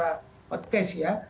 dalam satu wawancara podcast ya